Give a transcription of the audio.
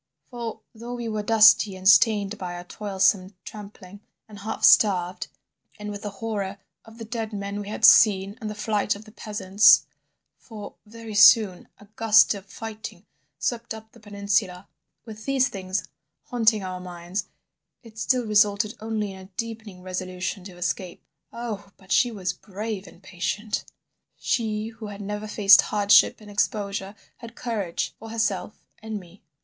For though we were dusty and stained by our toilsome tramping, and half starved and with the horror of the dead men we had seen and the flight of the peasants—for very soon a gust of fighting swept up the peninsula—with these things haunting our minds it still resulted only in a deepening resolution to escape. Oh, but she was brave and patient! She who had never faced hardship and exposure had courage for herself and me.